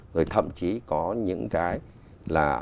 rồi thậm chí có những cái là